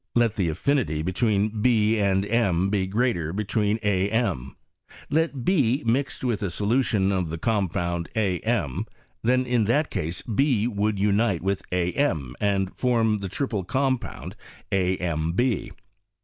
Let the affinity between b and m be greater than that between a m. Let b be mixed with a solution of the cximpound a in, theu in that case & would unite with a m, and form the triple compound a m b.